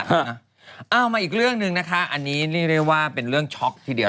เอามาอีกเรื่องหนึ่งนะคะอันนี้เรียกได้ว่าเป็นเรื่องช็อกทีเดียว